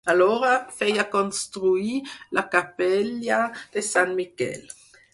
Alhora, feia construir la capella de Sant Miquel.